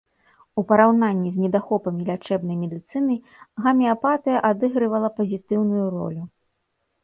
У параўнанні з недахопамі лячэбнай медыцыны гамеапатыя адыгрывала пазітыўную ролю.